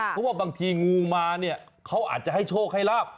เพราะว่าบางทีงูมาเนี่ยเขาอาจจะให้โชคให้ลาบ